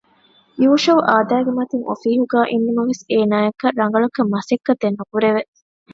ޔޫޝައު އާދައިގެ މަތިން އޮފީހުގައި އިންނަމަވެސް އޭނާއަކަށް ރަނގަޅަކަށް މަސައްކަތެއް ނުކުރެވެ